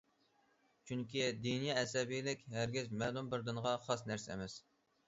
چۈنكى دىنىي ئەسەبىيلىك- ھەرگىز مەلۇم بىر دىنغا خاس نەرسە ئەمەس.